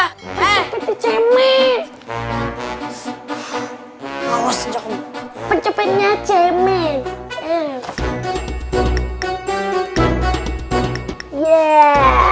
hai cemen awas pencetnya cemen ya